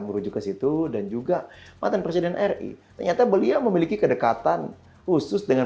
merujuk ke situ dan juga mantan presiden ri ternyata beliau memiliki kedekatan khusus dengan